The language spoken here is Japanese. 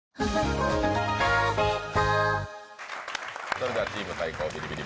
それではチーム対抗ビリビリ！